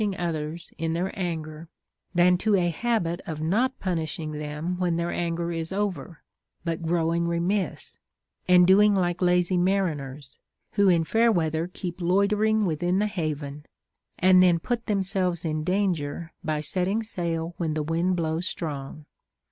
ing others in their anger, than to a habit of not punishing them when their anger is over, but growing remiss, and doing like lazy mariners, who in fair weather keep loiter ing within the haven, and then put themselves in danger by setting sail when the Avind blows strong.